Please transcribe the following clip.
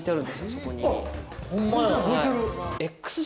そこに。